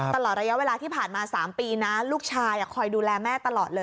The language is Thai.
ตลอดระยะเวลาที่ผ่านมา๓ปีนะลูกชายคอยดูแลแม่ตลอดเลย